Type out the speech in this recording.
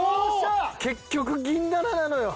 結局銀だらなのよ！